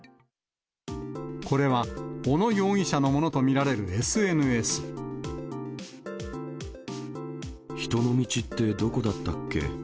これは小野容疑者のものとみ人の道ってどこだったっけ。